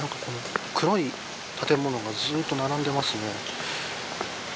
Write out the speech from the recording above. この辺黒い建物がずっと並んでますね。